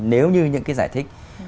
nếu như những cái giải thích